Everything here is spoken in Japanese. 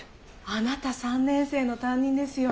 あなた３年生の担任ですよね？